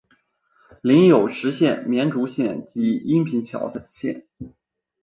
领有实县绵竹县及阴平侨县。